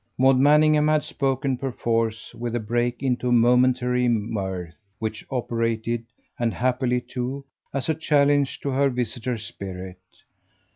Maud Manningham had spoken perforce with a break into momentary mirth, which operated and happily too as a challenge to her visitor's spirit.